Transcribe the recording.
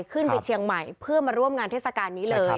ขึ้นไปเชียงใหม่เพื่อมาร่วมงานเทศกาลนี้เลย